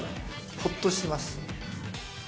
ほっとしてます。